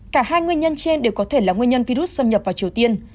cả hai nguyên nhân trên đều có thể là nguyên nhân virus xâm nhập vào triều tiên